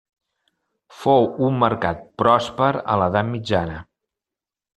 Fou un mercat pròsper a l'edat mitjana.